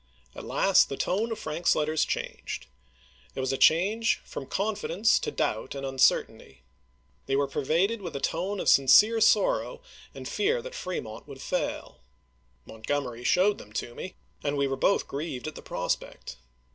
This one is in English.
At last the tone of Frank's letters changed. It was a change from confidence to doubt and uncertainty. They were pervaded with a tone of sincere sorrow and of fear that Fremont would fail. Montgomery showed them to me, and we were both grieved at the prospect.